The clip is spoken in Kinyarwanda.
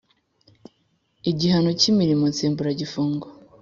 igihano cy imirimo nsimburagifungo